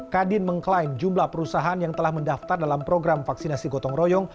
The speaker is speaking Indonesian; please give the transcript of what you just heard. kadin mengklaim jumlah perusahaan yang telah mendaftar dalam program vaksinasi gotong royong